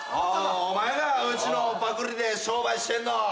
お前かうちのパクリで商売してんの。